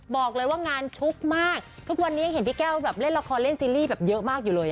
บอกเลยว่างานชุกมากทุกวันนี้ยังเห็นพี่แก้วแบบเล่นละครเล่นซีรีส์แบบเยอะมากอยู่เลย